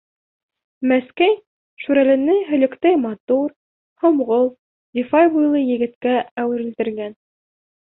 Мәскәй Шүрәлене һөлөктәй матур, һомғол, зифа буйлы егеткә әүерелдергән.